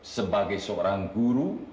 sebagai seorang guru